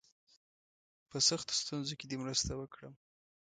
په سختو ستونزو کې دي مرسته وکړم.